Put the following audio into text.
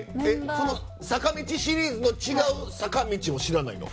坂道シリーズの違う坂道も知らないの？